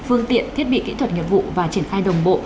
phương tiện thiết bị kỹ thuật nghiệp vụ và triển khai đồng bộ